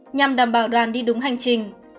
nhằm đảm bảo đoàn đi đúng hành trình